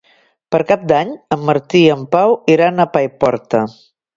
Per Cap d'Any en Martí i en Pau iran a Paiporta.